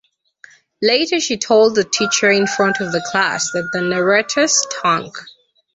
Later she told the teacher in front of the class that the narrator stunk.